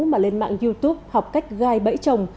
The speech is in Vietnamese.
mà lên mạng youtube học cách gai bẫy chồng